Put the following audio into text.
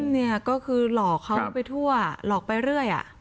เนี่ยก็คือหลอกเขาไปทั่วหลอกไปเรื่อย